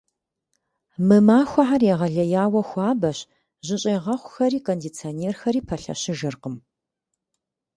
Мы махуэхэр егъэлеяуэ хуабэщ, жьыщӏегъэхухэри кондиционерхэри пэлъэщыжыркъым.